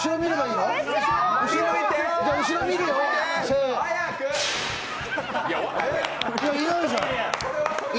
いや、いないじゃん。